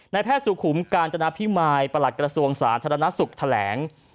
แพทย์สุขุมกาญจนาพิมายประหลัดกระทรวงสาธารณสุขแถลง